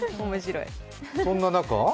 そんな中？